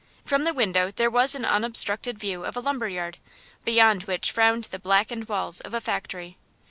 From the window there was an unobstructed view of a lumberyard, beyond which frowned the blackened walls of a factory.